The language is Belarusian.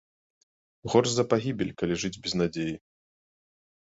Горш за пагібель, калі жыць без надзеі!